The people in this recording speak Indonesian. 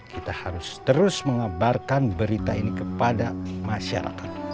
kita harus terus mengabarkan berita ini kepada masyarakat